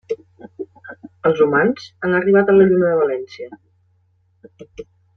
Els humans han arribat a la Lluna de València.